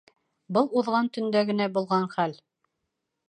Был уҙған төндә генә булған хәл.